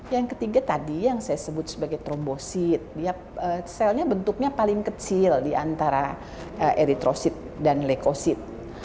yang ketiga tadi yang saya sebut sebagai trombosit selnya bentuknya paling kecil diantara eritrosit dan leukosit